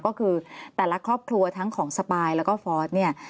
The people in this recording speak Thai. ก็คือแต่ละครอบครัวทั้งของสปายแล้วก็ฟอร์สเนี่ย